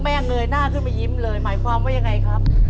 เงยหน้าขึ้นมายิ้มเลยหมายความว่ายังไงครับ